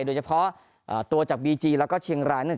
โดยเฉพาะเอ่อตัวจากบีจีแล้วก็เชียงรายนะครับ